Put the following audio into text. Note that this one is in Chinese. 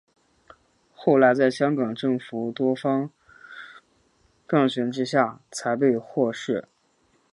后来在香港政府多方斡旋之下才被获释。